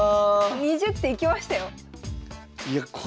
２０手いきましたよ！